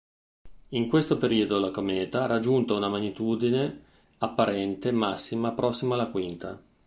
In questo periodo la cometa ha raggiunto una magnitudine apparente massima prossima alla quinta.